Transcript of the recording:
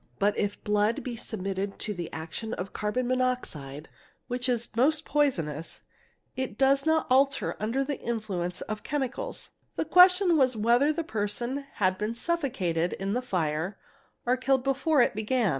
But if blood be submitted to the action of carbon monoxide, which is most poisonous, it does not alter under the influence of chemicals ; the question was whether the person had been suffocated in the fire or killed before it began.